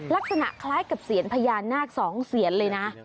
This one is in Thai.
ลักษณะคล้ายกับเสียญพญานาค๒เสียนเลยนะ